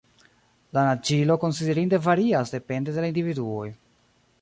La naĝilo konsiderinde varias depende de la individuoj.